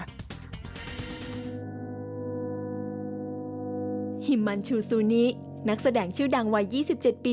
ฮิมมันชูซูนินักแสดงชื่อดังวัย๒๗ปี